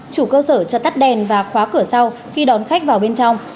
chủ cơ sở cho tắt đèn và khóa cửa sau khi đón khách vào bên trong